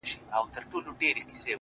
خال دې په خيالونو کي راونغاړه!!